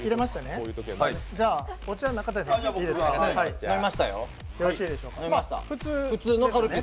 お茶、中谷さんいいですか。